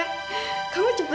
kamu cepet juga berbicara